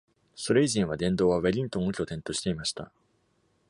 それ以前は、殿堂はウェリントンを拠点としていました。